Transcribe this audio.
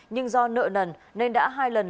nhưng do nợ nần nên đã hai lần